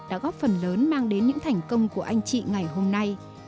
đã góp phần lớn mang đến những thành công của anh chị ngày hôm nay